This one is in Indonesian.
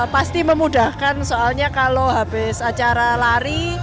pasti memudahkan soalnya kalau habis acara lari